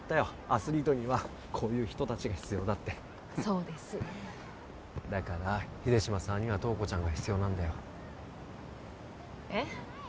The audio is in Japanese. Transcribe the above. アスリートにはこういう人たちが必要だってそうですだから秀島さんには塔子ちゃんが必要なんだよえっ？